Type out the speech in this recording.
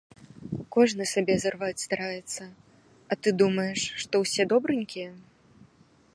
Кожны сабе зарваць стараецца, а ты думаеш, што ўсе добранькія?